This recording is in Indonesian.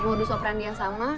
modus operandi yang sama